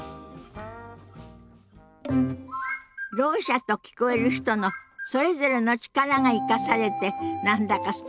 ろう者と聞こえる人のそれぞれの力が生かされて何だかすてきよね。